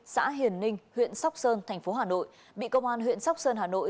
xã hiền ninh huyện sóc sơn thành phố hà nội bị công an huyện sóc sơn hà nội